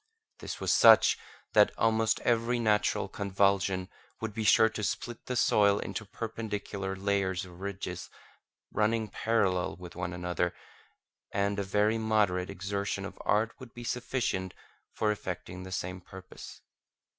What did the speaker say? This was such that almost every natural convulsion would be sure to split the soil into perpendicular layers or ridges running parallel with one another, and a very moderate exertion of art would be sufficient for effecting the same purpose.